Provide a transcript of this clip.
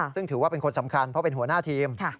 ซึ่งถือว่าเป็นคนสำคัญเพราะเป็นหัวหน้าทีม